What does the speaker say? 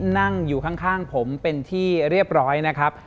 นั่งอยู่ข้างผมเป็นที่เรียบร้อยนะครับ